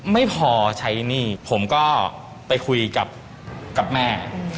ไม่พอใช้หนี้ผมก็ไปคุยกับแม่